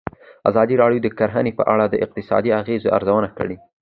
ازادي راډیو د کرهنه په اړه د اقتصادي اغېزو ارزونه کړې.